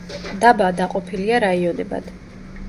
დაბა დაყოფილია რაიონებად.